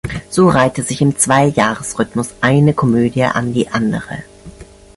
So reihte sich im Zwei-Jahres-Rhythmus eine Komödie an die andere.